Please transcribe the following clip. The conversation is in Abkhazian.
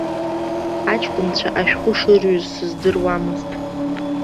Аҷкәынцәа ашәҟәы шырҩыз сыздыруамызт.